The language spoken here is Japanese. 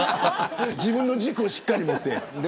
自分の軸をしっかり持って。